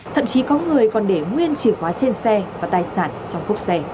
thậm chí có người còn để nguyên chìa khóa trên xe và tài sản trong cốc xe